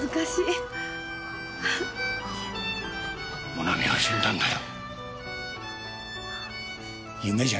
現実にもなみは死んだんだよ。